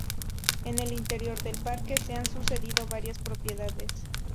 En el interior del parque, se han sucedido varias propiedades.